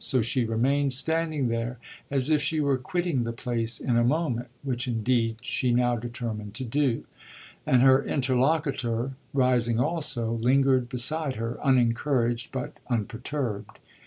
So she remained standing there as if she were quitting the place in a moment, which indeed she now determined to do; and her interlocutor, rising also, lingered beside her unencouraged but unperturbed.